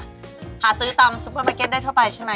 หาซื้อตามซุปเปอร์มาร์เก็ตได้ทั่วไปใช่ไหม